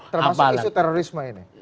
termasuk isu terorisme ini